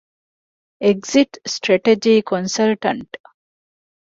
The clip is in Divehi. އެގްޒިޓް ސްޓްރެޓަޖީ ކޮންސަލްޓަންޓް